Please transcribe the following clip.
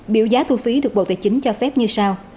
biểu giá thu phí được bộ tài chính cho phép như sau